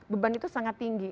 beban itu sangat tinggi